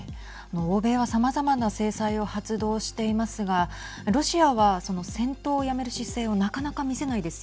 欧米は、さまざまな制裁を発動していますがロシアは、その戦闘をやめる姿勢をはい。